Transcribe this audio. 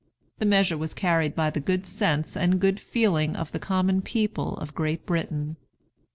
The measure was carried by the good sense and good feeling of the common people of Great Britain.